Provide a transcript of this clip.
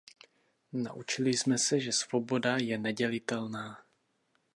Naučili jsme se, že svoboda je nedělitelná.